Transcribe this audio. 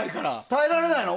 耐えられないの。